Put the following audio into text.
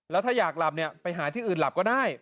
แล้วถ้าอยากหลับเนี่ยไปหาที่อื่นหลับก็ได้